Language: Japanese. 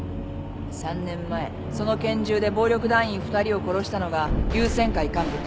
３年前その拳銃で暴力団員２人を殺したのが龍千会幹部谷本という男。